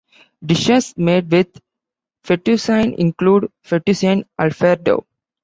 Dishes made with fettuccine include Fettuccine Alfredo.